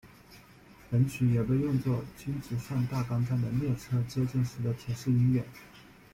本曲也被用作京急上大冈站的列车接近时的提示音乐。